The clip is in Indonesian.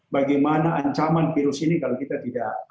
bagaimana ancaman virus ini kalau kita tidak